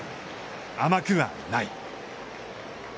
甘くはない。